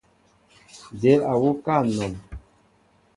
Del á wuká anɔn.